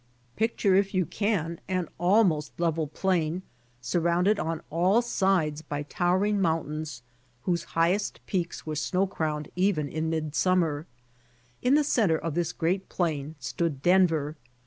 Pic ture if you can an almost level plain surrounded on all sides by towering mountains, whose highest peaks were snow crowned even in midsummer. In the center of this great plain stood Denver.